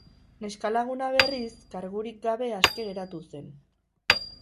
Neska-laguna, berriz, kargurik gabe aske geratu zen.